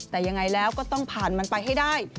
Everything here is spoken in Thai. แต่ยังไงแล้วก็ต้องผ่านมันไปให้ได้